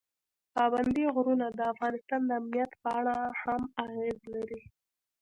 پابندی غرونه د افغانستان د امنیت په اړه هم اغېز لري.